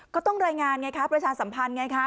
ก็ต้องรายงานไงคะประชาสัมพันธ์ไงคะ